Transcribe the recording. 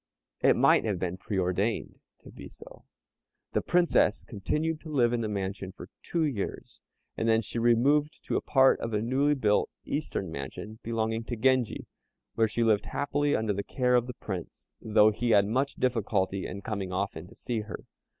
it might have been preordained to be so. The Princess continued to live in the mansion for two years, and then she removed to a part of a newly built "eastern mansion" belonging to Genji, where she lived happily under the kind care of the Prince, though he had much difficulty in coming often to see her.